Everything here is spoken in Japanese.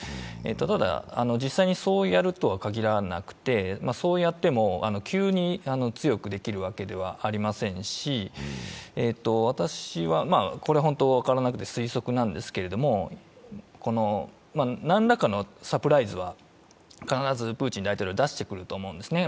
ただ、実際にそうやるとは限らなくてそうやっても、急に強くできるわけではありませんし、推測なんですけど、何らかのサプライズは必ずプーチン大統領は出してくると思うんですね。